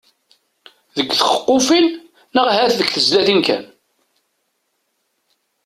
Deg txeqqufin neɣ ahat deg tezlatin kan.